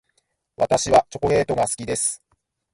私はチョコレートが好きです。